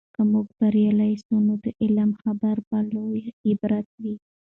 که موږ بریالي سو، نو د علم خبره به لوي عبرت وي.